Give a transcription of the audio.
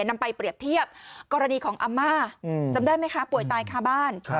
นำไปเปรียบเทียบกรณีของอาม่าจำได้ไหมคะป่วยตายคาบ้าน